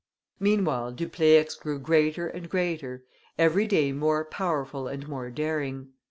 Meanwhile Dupleix grew greater and greater, every day more powerful and more daring.